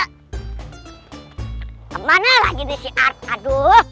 kemana lagi nih si art